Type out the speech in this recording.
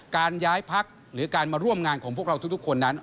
การย้ายพักหรือการมาร่วมงานของพวกเราทุกคนนั้น